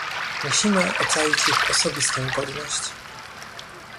Musimy ocalić ich osobistą godność